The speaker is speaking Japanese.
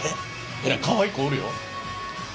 えらいかわいい子おるよ。